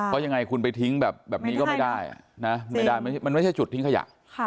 ก็ยังไงคุณไปทิ้งแบบนี้ก็ไม่ได้มันไม่ใช่จุดทิ้งขยะ